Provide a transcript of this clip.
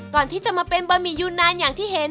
ก่อนที่จะมาเป็นบะหมี่ยูนานอย่างที่เห็น